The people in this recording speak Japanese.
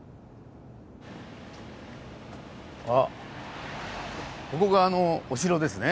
あここがあのお城ですね。